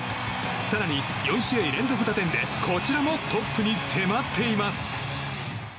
更に４試合連続打点でこちらもトップに迫っています。